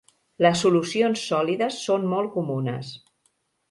Les solucions sòlides són molt comunes.